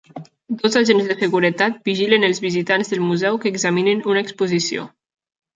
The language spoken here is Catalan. Dos agents de seguretat vigilen els visitants del museu que examinen una exposició.